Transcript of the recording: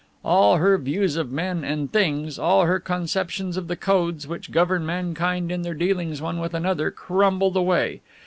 All her views of men and things, all her conceptions of the codes which govern mankind in their dealings one with the other, crumbled away.